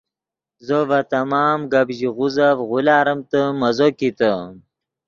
زو ڤے تمام گپ ژیغوزف غولاریمتے مزو کیتے